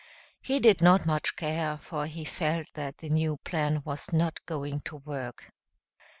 He did not much care, for he felt that the new plan was not going to work.